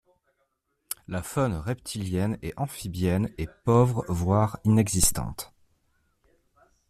La faune reptilienne et amphibienne est pauvre voire inexistante.